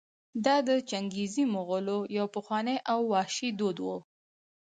دا د چنګېزي مغولو یو پخوانی او وحشي دود و.